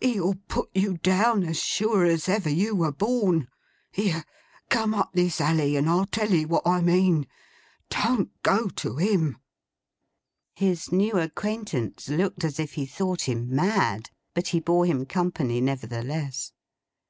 He'll put you down as sure as ever you were born. Here! come up this alley, and I'll tell you what I mean. Don't go to him.' His new acquaintance looked as if he thought him mad; but he bore him company nevertheless.